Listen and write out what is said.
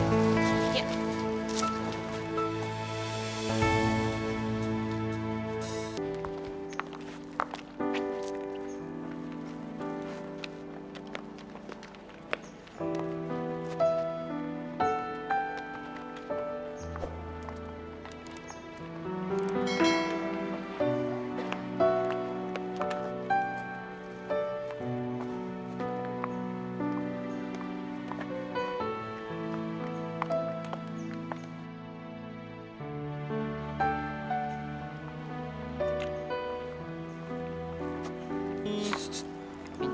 orang kecil nih